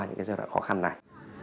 những giai đoạn khó khăn này